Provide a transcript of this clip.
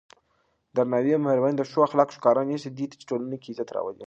درناوی او مهرباني د ښو اخلاقو ښکاره نښې دي چې ټولنه کې عزت راولي.